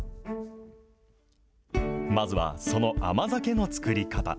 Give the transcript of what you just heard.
まずはその甘酒の作り方。